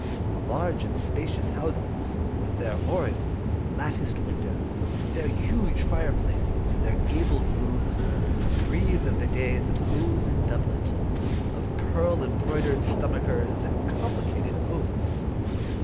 The large and spacious houses, with their oriel, latticed windows, their huge fireplaces, and their gabled roofs, breathe of the days of hose and doublet, of pearl embroidered stomachers, and complicated oaths.